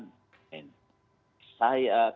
saya kami mbak ariskin dan mbak jokowi